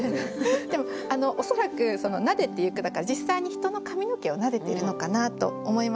でも恐らく「撫でてゆく」だから実際に人の髪の毛を撫でているのかなと思いました。